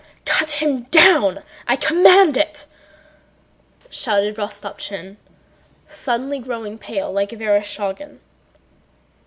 "Cut him down! I command it..." shouted Rostopchín, suddenly growing pale like Vereshchágin.